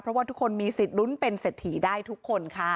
เพราะว่าทุกคนมีสิทธิ์ลุ้นเป็นเศรษฐีได้ทุกคนค่ะ